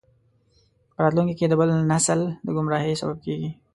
په راتلونکي کې د بل نسل د ګمراهۍ سبب کیږي.